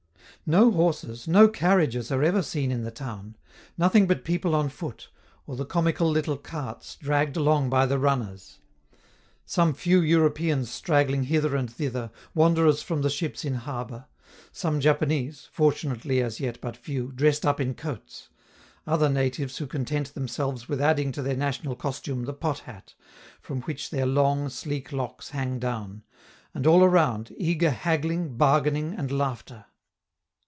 No horses, no carriages are ever seen in the town; nothing but people on foot, or the comical little carts dragged along by the runners. Some few Europeans straggling hither and thither, wanderers from the ships in harbor; some Japanese (fortunately as yet but few) dressed up in coats; other natives who content themselves with adding to their national costume the pot hat, from which their long, sleek locks hang down; and all around, eager haggling, bargaining, and laughter.